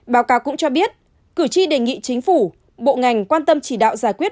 báo cáo cũng cho biết cử tri đề nghị chính phủ bộ ngành quan tâm chỉ đạo giải quyết